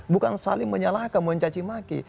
bukan saling menyalahkan mencacimaki